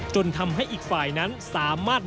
จนทำให้อีกฝ่ายนั้นสามารถ